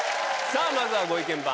さぁまずはご意見番